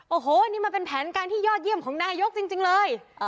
โอ้โหนี่มันเป็นแผนการที่ยอดเยี่ยมของนายกจริงเลย